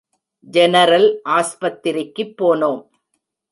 General ஆஸ்பத்திரிக்குப் போனோம்.